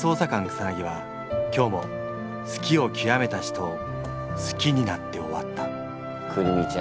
草は今日も好きをきわめた人を好きになって終わったクルミちゃん